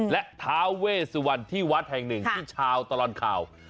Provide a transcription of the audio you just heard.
และท้าเวสวันที่วัดแห่งหนึ่งที่ชาวตลอดข่าว